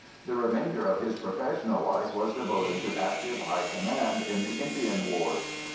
The remainder of his professional life was devoted to active high command in the Indian wars.